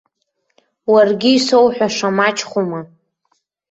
Уаргьы исоуҳәаша мачхәума!